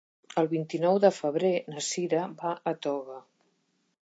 El vint-i-nou de febrer na Cira va a Toga.